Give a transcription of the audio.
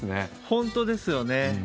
本当ですよね。